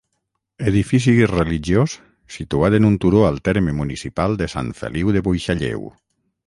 Edifici religiós, situat en un turó al terme municipal de Sant Feliu de Buixalleu.